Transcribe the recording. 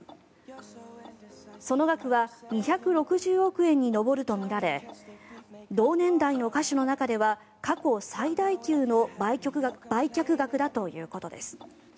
その額は２６０億円に上るとみられ同年代の歌手の中では過去最大級の売却額だということです。